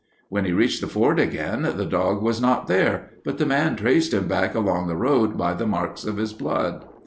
When he reached the ford again, the dog was not there, but the man traced him back along the road by the marks of his blood.